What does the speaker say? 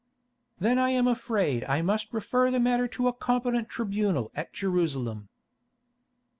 "Then I am afraid I must refer the matter to a competent tribunal at Jerusalem."